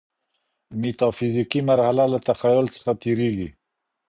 ميتا فزيکي مرحله له تخيل څخه تيريږي.